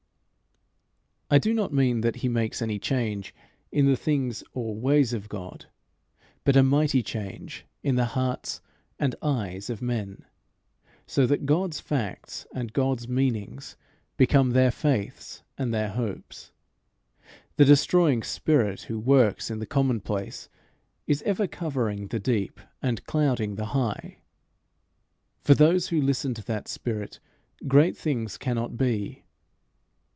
I do not mean that he makes any change in the things or ways of God, but a mighty change in the hearts and eyes of men, so that God's facts and God's meanings become their faiths and their hopes. The destroying spirit, who works in the commonplace, is ever covering the deep and clouding the high. For those who listen to that spirit great things cannot be.